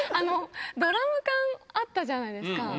ドラム缶あったじゃないですか。